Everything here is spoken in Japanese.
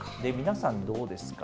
皆さん、どうですか？